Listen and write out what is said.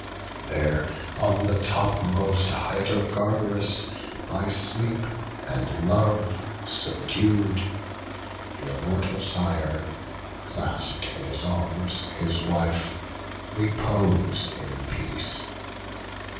There on the topmost height of Gargarus, By sleep and love subdued, th' immortal Sire, Clasp'd in his arms his wife, repos'd in peace.